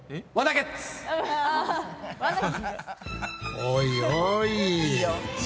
おいおい。